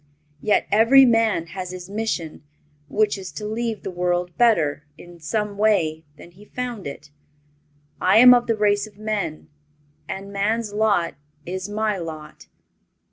Yet every man has his mission, which is to leave the world better, in some way, than he found it. I am of the race of men, and man's lot is my lot.